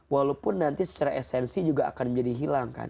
walaupun nanti secara esensi juga akan menjadi hilang kan